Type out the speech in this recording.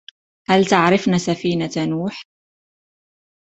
هل تعرفن سفينة نوح؟